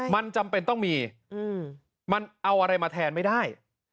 มันจำเป็นต้องมีมันเอาอะไรมาแทนไม่ได้